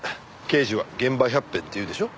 刑事は現場百遍って言うでしょ。